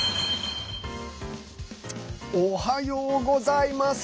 おはようございます。